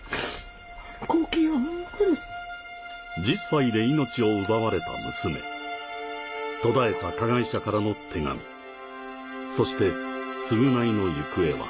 １０歳で命を奪われた娘途絶えた加害者からの手紙そして償いの行方は